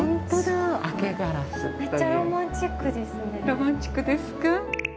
ロマンチックですか？